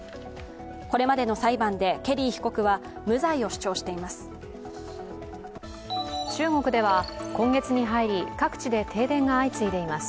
これまでの裁判でケリー被告は無罪を主張しています。